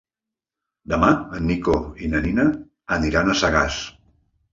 Demà en Nico i na Nina aniran a Sagàs.